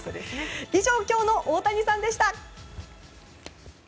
以上、今日の大谷さんでした。